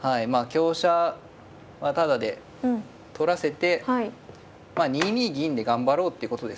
香車はタダで取らせて２二銀で頑張ろうっていうことですね。